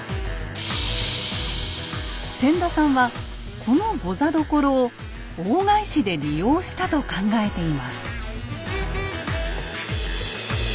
千田さんはこの御座所を大返しで利用したと考えています。